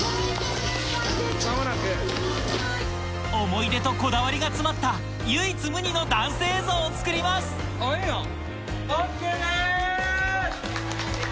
思い出とこだわりが詰まった唯一無二のダンス映像を作りますええやん！